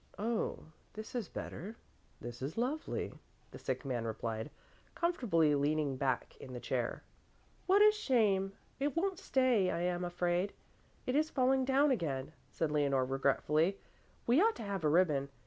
"Oh, this is better, this is lovely," the sick man replied, comfortably leaning back in the chair. "What a shame! It won't stay, I am afraid. It is falling down again," said Leonore regretfully. "We ought to have a ribbon.